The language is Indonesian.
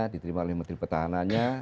diterima oleh menteri petahanannya